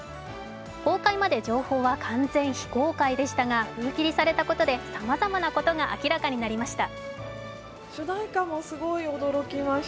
公開まで情報は完全非公開でしたが封切りされたことでさまざまなことが明らかになりました。